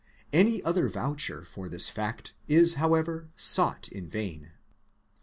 Any other voucher for this fact is however sought in vain.